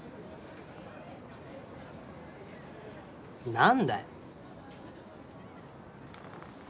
何だよ？